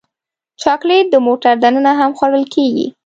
چاکلېټ د موټر دننه هم خوړل کېږي.